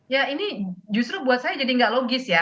ya ini justru buat saya jadi nggak logis ya